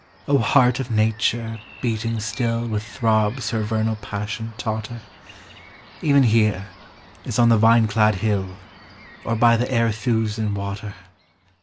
O heart of Nature, beating still With throbs her vernal passion taught her,— Even here, as on the vine clad hill, Or by the Arethusan water